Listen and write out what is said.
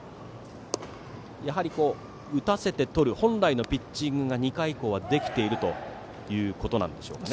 やはり、打たせてとる本来のピッチングが２回以降はできているということでしょうか。